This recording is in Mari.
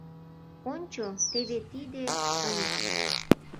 Ончо, теве тиде — й.